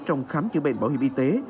trong khám chữa bệnh bảo hiểm y tế